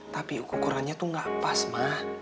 tapi ukurannya tuh gak pas mah